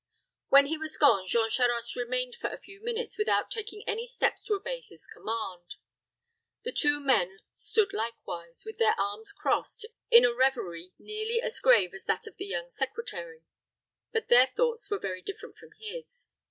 When he was gone, Jean Charost remained for a few minutes without taking any steps to obey his command. The two men stood likewise, with their arms crossed, in a revery nearly as grave as that of the young secretary; but their thoughts were very different from his.